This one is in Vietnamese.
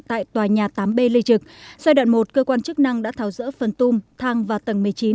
tại tòa nhà tám b lê trực giai đoạn một cơ quan chức năng đã tháo rỡ phần tung thang và tầng một mươi chín